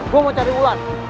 gua mau cari wulan